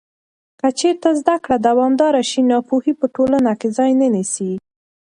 که چېرته زده کړه دوامداره شي، ناپوهي په ټولنه کې ځای نه نیسي.